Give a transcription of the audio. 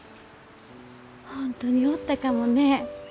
本当におったかもね。